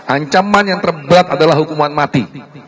ancaman yang terberat adalah hukuman mati